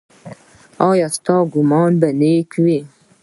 ایا ستاسو ګمان به نیک وي؟